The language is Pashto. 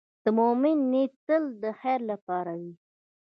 د مؤمن نیت تل د خیر لپاره وي.